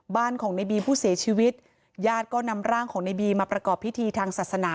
บ้านของในบีผู้เสียชีวิตญาติก็นำร่างของในบีมาประกอบพิธีทางศาสนา